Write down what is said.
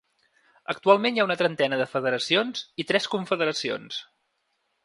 Actualment hi ha una trentena de federacions i tres confederacions.